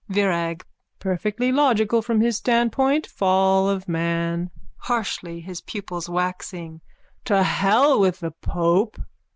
VIRAG: Perfectly logical from his standpoint. Fall of man. (Harshly, his pupils waxing.) To hell with the pope!